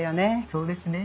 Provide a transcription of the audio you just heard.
そうですね。